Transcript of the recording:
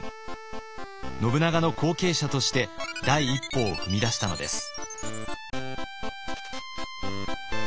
信長の後継者として第一歩を踏み出したのです。